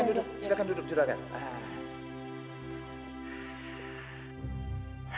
eh silakan duduk